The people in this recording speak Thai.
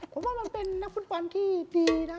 ผมว่ามันเป็นนักคุณความที่ดีนะ